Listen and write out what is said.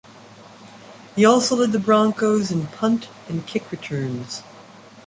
He also led the Broncos in punt and kick returns.